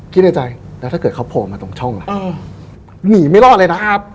ในใจแล้วถ้าเกิดเขาโผล่มาตรงช่องล่ะหนีไม่รอดเลยนะครับ